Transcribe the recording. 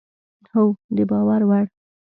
هو، د باور وړ